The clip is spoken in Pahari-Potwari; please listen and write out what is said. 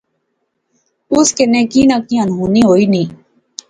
اس کنے کی نہ کی انہونی ہوئی نی